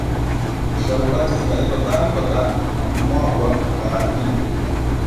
Sharubati zikaletwa tani kwa tani na kumwagwa karaini